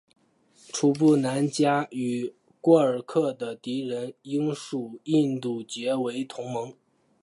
楚布南嘉与廓尔喀的敌人英属印度结为同盟。